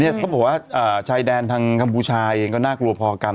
เขาบอกว่าชายแดนทางกัมพูชาเองก็น่ากลัวพอกัน